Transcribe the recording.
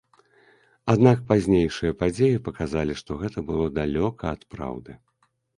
Аднак пазнейшыя падзеі паказалі, што гэта было далёка ад праўды.